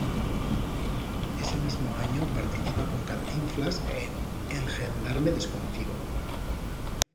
Ese mismo año participa con Cantinflas en "El gendarme desconocido".